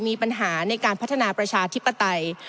มีปัญหาในการพัฒนาประชาธิปไตย